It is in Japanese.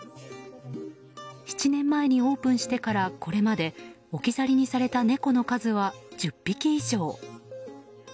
７年前にオープンしてからこれまで置き去りにされた猫の数は１０匹以上。